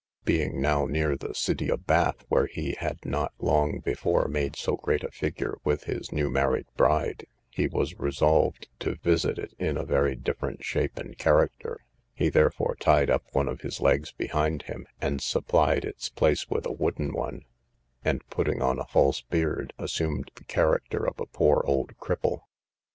Being now near the city of Bath, where he had not long before made so great a figure with his new married bride, he was resolved to visit it in a very different shape and character; he therefore tied up one of his legs behind him, and supplied its place with a wooden one, and putting on a false beard, assumed the character of a poor old cripple.